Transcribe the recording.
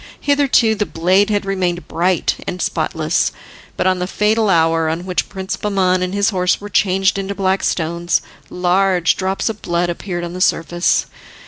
Hitherto the blade had remained bright and spotless, but on the fatal hour on which Prince Bahman and his horse were changed into black stones, large drops of blood appeared on the surface.